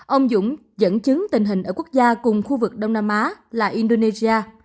ông dũng dẫn chứng tình hình ở quốc gia cùng khu vực đông nam á là indonesia